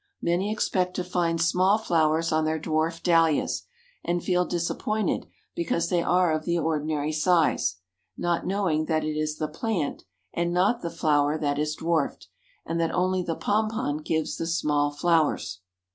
Many expect to find small flowers on their Dwarf Dahlias, and feel disappointed because they are of the ordinary size, not knowing that it is the plant, and not the flower, that is dwarfed, and that only the Pompon gives the small flowers.